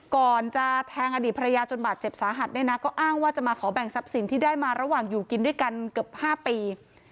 ก่อนจะแทงอดีตภรรยาจนบาดเจ็บสาหัสเนี่ยนะก็อ้างว่าจะมาขอแบ่งทรัพย์สินที่ได้มาระหว่างอยู่กินด้วยกันเกือบ๕ปี